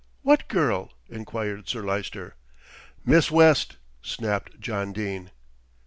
what girl?" enquired Sir Lyster. "Miss West," snapped John Dene.